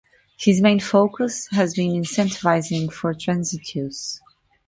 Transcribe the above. His main focus has been incentivizing for transit use.